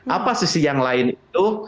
apa sisi yang lain itu